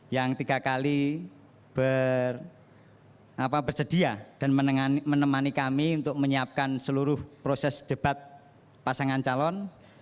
yang tiga kali bersedia dan menemani kami untuk menyiapkan seluruh proses debat pasangan calon